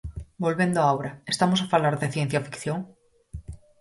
Volvendo á obra, estamos a falar de ciencia ficción?